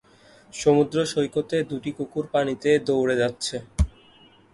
সমুদ্র সৈকতে দুটি কুকুর পানিতে দৌড়ে যাচ্ছে